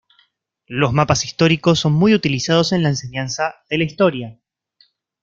Los mapas históricos son muy utilizados en la enseñanza de la historia.